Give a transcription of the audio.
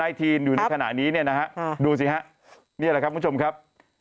ทีนอยู่ในขณะนี้เนี่ยนะฮะดูสิฮะนี่แหละครับคุณผู้ชมครับ